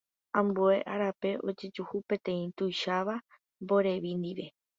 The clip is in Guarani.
Ambue árape ojejuhu peteĩ tuicháva mborevi ndive.